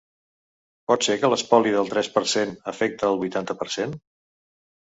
Potser que l’espoli del tres per cent afecta al vuitanta per cent?